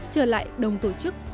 trở lại đồng tổ chức